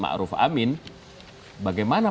ma'ruf amin bagaimana